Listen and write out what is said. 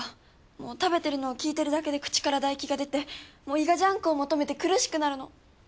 もう食べてるのを聴いてるだけで口から唾液が出てもう胃がジャンクを求めて苦しくなるの。